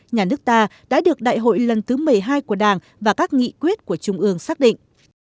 nhà nước ta đã được đại hội lần thứ một mươi hai của đảng và các nghị quyết của trung ương xác định